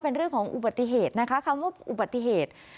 เป็นเรื่องของอุบัติเหตุนะคะคำว่าอุบัติเหตุ